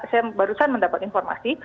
saya baru saja mendapat informasi